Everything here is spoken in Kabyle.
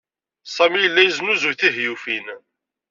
Sami yella yesnuzuy tihyufin.